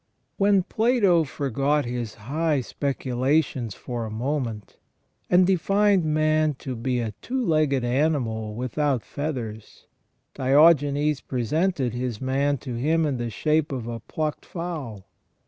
When Plato forgot his high speculations for a moment, and defined man to be a two legged animal without feathers, Diogenes presented his man to him in the shape of a plucked fowl.